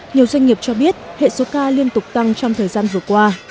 nhiều doanh nghiệp cho biết hệ số ca liên tục tăng trong thời gian vừa qua